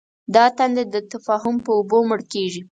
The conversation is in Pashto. دا تنده د تفاهم په اوبو مړ کېږي.